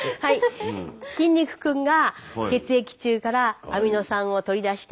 筋肉君が血液中からアミノ酸を取り出して。